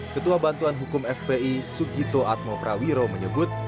ketua bantuan hukum fpi sugito atmo prawiro menyebut